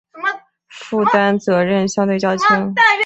负担责任相对较轻